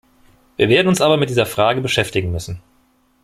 Wir werden uns aber mit dieser Frage beschäftigen müssen.